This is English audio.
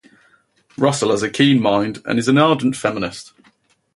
Russell has a keen mind and is an ardent feminist.